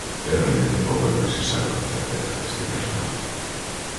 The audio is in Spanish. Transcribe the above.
Es realmente poco lo que se sabe con certeza de este personaje.